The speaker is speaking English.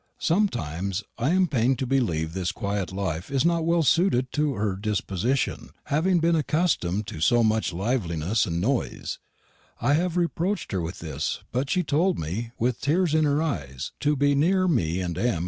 Sumtimes I am pain'd to believe this quiett life is not well suted to herr disposishun, having bin acustumed to so much livlinesse and nois. I hav reproched her with this, but she tolde me, with teres in her eys, to be neare mee and M.